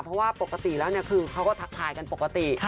เพราะว่าปกติแล้วคือเขาก็ทักทายกันปกติ